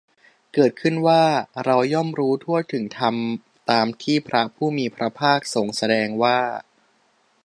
เกิดขึ้นว่า เราย่อมรู้ทั่วถึงธรรมตามที่พระผู้มีพระภาคทรงแสดงว่า